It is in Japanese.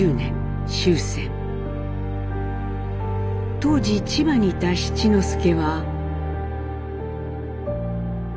当時千葉にいた七之助は。